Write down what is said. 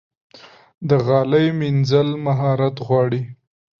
د غالۍ مینځل مهارت غواړي.